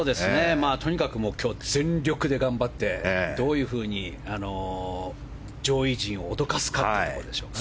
とにかく今日は全力で頑張ってどういうふうに上位陣を脅かすかっていうところでしょうかね。